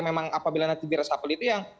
memang apabila nanti di resapel itu yang